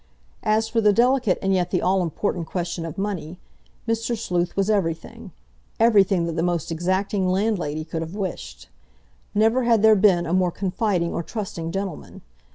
As for the delicate and yet the all important question of money, Mr. Sleuth was everything—everything that the most exacting landlady could have wished. Never had there been a more confiding or trusting gentleman.